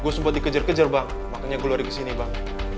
gue sempet dikejar kejar bang makanya gue lari kesini bang